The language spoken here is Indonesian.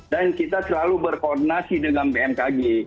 dan kita selalu berkoordinasi dengan bmkg